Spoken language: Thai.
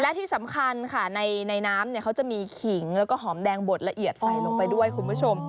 และที่สำคัญค่ะในน้ำเขาจะมีขิงแล้วก็หอมแดงบดละเอียดใส่ลงไปด้วยคุณผู้ชม